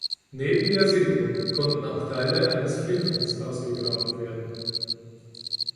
Neben der Siedlung konnten auch Teile eines Friedhofes ausgegraben werden.